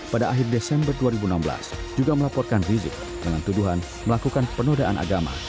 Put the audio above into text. pada akhir desember dua ribu enam belas juga melaporkan rizik dengan tuduhan melakukan penodaan agama